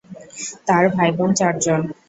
তার ভাইবোন চার জন।